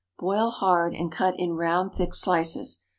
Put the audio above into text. ✠ Boil hard, and cut in round thick slices.